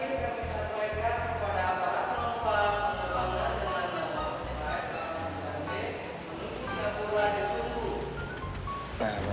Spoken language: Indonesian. belum bisa keluar dan tunggu